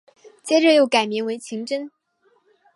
接着又改名为晴贞。